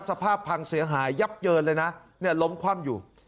สภาพพังเสียหายยับเยินเลยนะเนี่ยล้มคว่ำอยู่